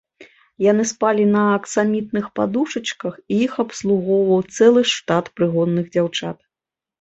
Яны спалі на аксамітных падушачках, і іх абслугоўваў цэлы штат прыгонных дзяўчат.